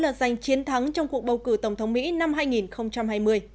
tự báo là giành chiến thắng trong cuộc bầu cử tổng thống mỹ năm hai nghìn hai mươi